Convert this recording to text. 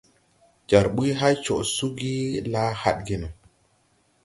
Jar ɓuy hay coʼ suugi la hadge no.